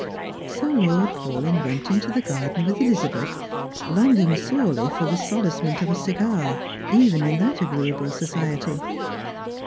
So Lord Paulyn went into the garden with Elizabeth, longing sorely for the solacement of a cigar, even in that agreeable society.